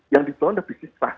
yang diperluan adalah bisnis